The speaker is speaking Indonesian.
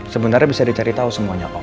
sebenarnya bisa dicari tau semuanya om